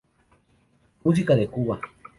Música de Cuba